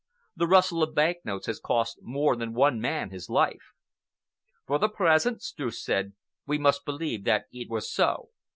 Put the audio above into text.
The rustle of bank notes has cost more than one man his life. "For the present," Streuss said, "we must believe that it was so.